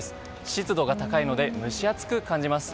湿度が高いので蒸し暑く感じます。